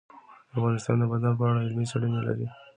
افغانستان د بادام په اړه علمي څېړنې لري.